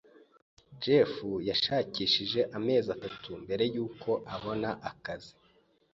Jeff yashakishije amezi atatu mbere yuko abona akazi.